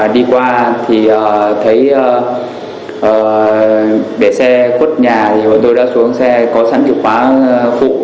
để xe cốt nhà tôi đã xuống xe có sẵn chìa khóa phụ